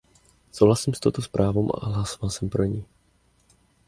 Souhlasím s touto zprávou a hlasoval jsem pro ni.